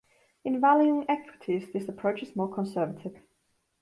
In valuing equities, this approach is more conservative.